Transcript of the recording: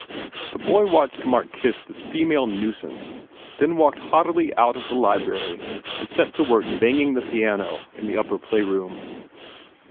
The boy watched Mark kiss this female nuisance then walked haughtily out of the library and set to work banging the piano in the upper playroom.